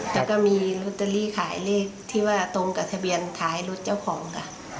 แล้วก็มีลอตเตอรี่ขายเลขที่ว่าตรงกับทะเบียนขายรถเจ้าของค่ะ